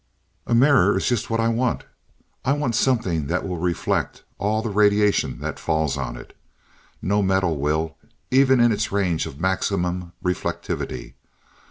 "A mirror is just what I want. I want something that will reflect all the radiation that falls on it. No metal will, even in its range of maximum reflectivity.